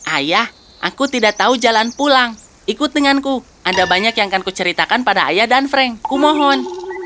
ayah aku tidak tahu jalan pulang ikut denganku ada banyak yang akan kuceritakan pada ayah dan frank kumohon